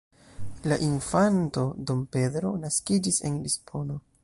La infanto "dom Pedro" naskiĝis en Lisbono.